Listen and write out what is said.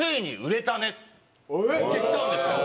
言ってきたんですよ。